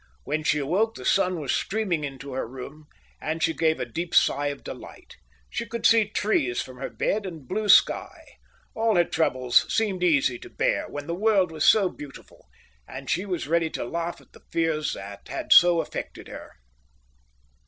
When she awoke the sun was streaming into her room, and she gave a deep sigh of delight. She could see trees from her bed, and blue sky. All her troubles seemed easy to bear when the world was so beautiful, and she was ready to laugh at the fears that had so affected her.